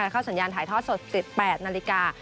เข้าสัญญาณถ่ายทอดสด๑๘นาฬิกา